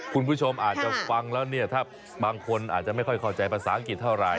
คุณผู้ชมอาจจะฟังแล้วเนี่ยถ้าบางคนอาจจะไม่ค่อยเข้าใจภาษาอังกฤษเท่าไหร